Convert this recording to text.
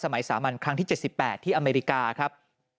สามัญครั้งที่๗๘ที่อเมริกาครับ